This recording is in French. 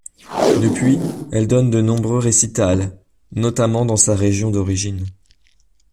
Depuis, elle donne de nombreux récitals, notamment dans sa région d'origine.